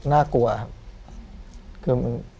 น่ากลัวครับ